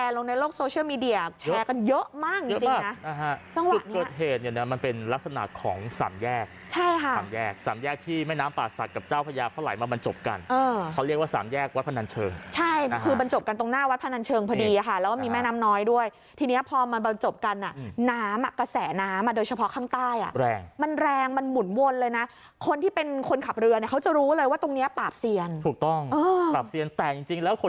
เยอะมากจริงจริงนะจังหวะเกิดเหตุเนี้ยเนี้ยมันเป็นลักษณะของสามแยกใช่ค่ะสามแยกสามแยกที่แม่น้ำป่าสัตว์กับเจ้าพระยาเขาไหลมาบรรจบกันเออเขาเรียกว่าสามแยกวัดพระนันเชิงใช่คือบรรจบกันตรงหน้าวัดพระนันเชิงพอดีค่ะแล้วมีแม่น้ำน้อยด้วยทีเนี้ยพอมันบรรจบกันน่ะน้